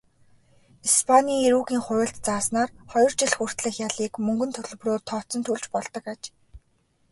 Испанийн эрүүгийн хуульд зааснаар хоёр жил хүртэлх ялыг мөнгөн төлбөрөөр тооцон төлж болдог аж.